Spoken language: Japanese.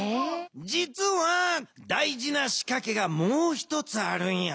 じつは大事なしかけがもう一つあるんや。